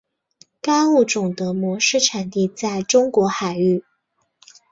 该物种的模式产地在中国海域。